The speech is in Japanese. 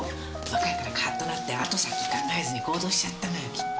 若いからカッとなって後先考えずに行動しちゃったのよきっと。